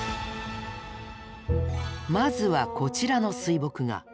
まずはこちらの水墨画。